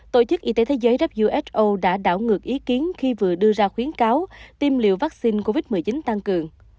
tổ chức y tế thế giới who đã đảo ngược ý kiến khi vừa đưa ra khuyến cáo tiêm liều vaccine covid một mươi chín tăng cường